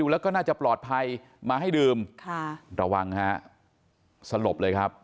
แล้วก็น่าจะปลอดภัยมาให้ดื่มค่ะระวังฮะสลบเลยครับ